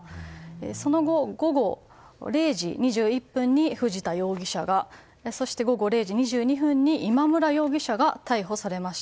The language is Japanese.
その後、午後０時２１分に藤田容疑者がそして、午後０時２２分に今村容疑者が逮捕されました。